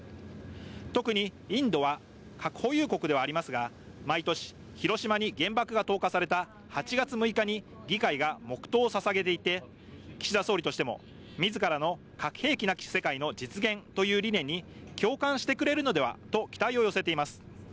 特にインドは核保有国ではありますが、毎年、広島に原爆が投下された８月６日に議会が黙とうを捧げていて岸田総理としても自らの核兵器なき世界の実現という理念に共感してくれるのではと期待を寄せています。